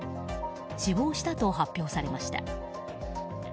死亡したと発表されました。